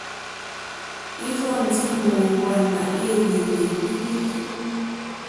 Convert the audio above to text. Ìrzɔ́ ndí móŋɡòáná éělélé kpílílílí.